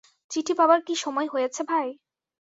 চিঠি পাবার কি সময় হয়েছে ভাই?